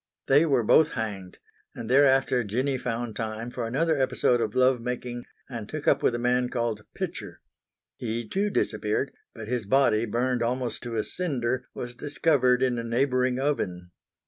They were both hanged and thereafter Jinny found time for another episode of love making and took up with a man called Pitcher. He too disappeared, but his body, burned almost to a cinder, was discovered in a neighbouring oven.